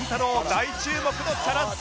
大注目のチャラッソ